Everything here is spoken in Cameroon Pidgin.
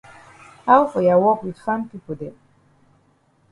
How for ya wok wit farm pipo dem?